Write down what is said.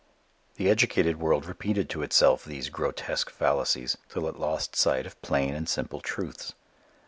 The educated world repeated to itself these grotesque fallacies till it lost sight of plain and simple truths.